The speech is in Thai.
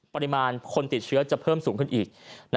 ปริมาณคนติดเชื้อจะเพิ่มสูงขึ้นอีก